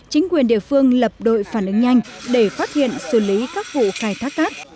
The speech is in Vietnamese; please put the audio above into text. chính quyền địa phương lập đội phản ứng nhanh để phát hiện xử lý các vụ khai thác cát